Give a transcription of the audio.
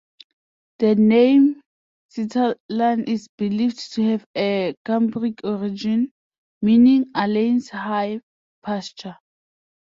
The name Seatallan is believed to have a Cumbric origin, meaning "Aleyn's high pasture".